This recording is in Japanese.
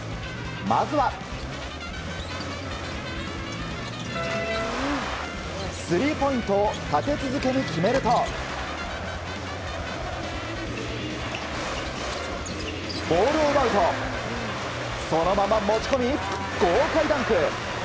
まずは、スリーポイントを立て続けに決めるとボールを奪うとそのまま持ち込み豪快ダンク。